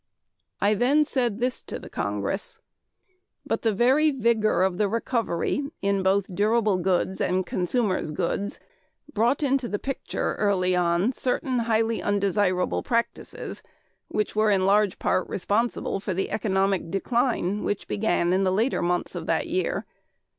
I then said this to the Congress: "But the very vigor of the recovery in both durable goods and consumers' goods brought into the picture early in certain highly undesirable practices, which were in large part responsible for the economic decline which began in the later months of that year.